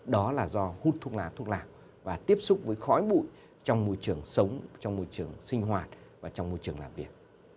đó là do hút thuốc lá thuốc lào và tiếp xúc với khói bụi trong môi trường sống trong môi trường sinh hoạt và trong môi trường làm việc